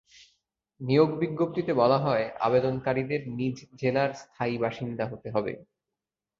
নিয়োগ বিজ্ঞপ্তিতে বলা হয়, আবেদনকারীদের নিজ জেলার স্থায়ী বাসিন্দা হতে হবে।